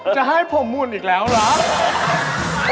จะให้ผมหุ่นอีกแล้วเหรอ